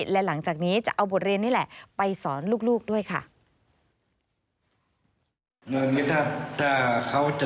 และหลังจากนี้จะเอาบทเรียนนี่แหละไปสอนลูกด้วยค่ะ